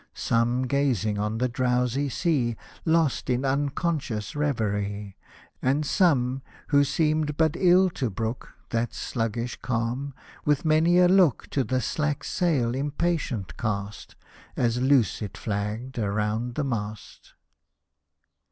Some gazing on the drowsy sea. Lost in unconscious reverie ; And some, who seemed but ill to brook That sluggish calm, with many a look To the slack sail impatient cast. As loose it flagged around the mast.